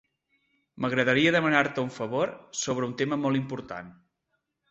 M'agradaria demanar-te un favor sobre un tema molt important.